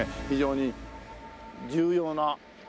非常に重要な。